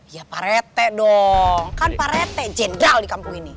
iya pak rete dong kan pak rete jendral di kampung ini